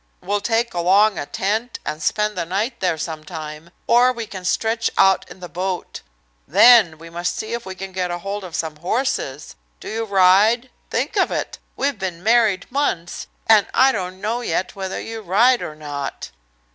We'll take along a tent and spend the night there sometime, or we can stretch out in the boat. Then we must see if we can get hold of some horses. Do you ride? Think of it! We've been married months, and I don't know yet whether you ride or not!"